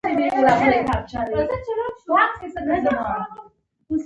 احکام د رئیس الوزرا لخوا صادریږي